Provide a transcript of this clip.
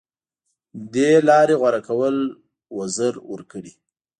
دې لارې غوره کول وزر ورکړي